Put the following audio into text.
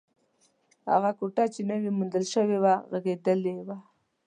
هغه کوټه چې نوې موندل شوې وه، غږېدلې وه.